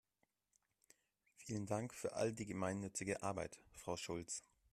Vielen Dank für all die gemeinnützige Arbeit, Frau Schulz!